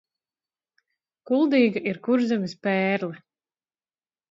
Kuldīga ir Kurzemes pērle.